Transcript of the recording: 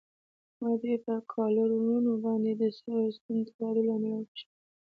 ما دوی پر کالرونو باندې د سرو او سپینو ټراډو له امله و پېژندل.